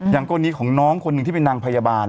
อย่างกรณีของน้องคนหนึ่งที่เป็นนางพยาบาล